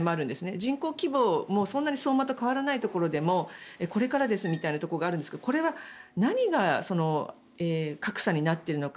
人口規模も、そんなに相馬と変わらないところでもこれからですみたいなところがあるんですがこれは何が格差になっているのか。